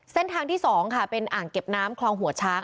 เส้นทางที่๒ค่ะเป็นอ่างเก็บน้ำคลองหัวช้าง